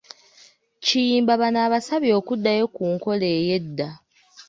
Kiyimba bano abasabye okuddayo ku nkola ey’edda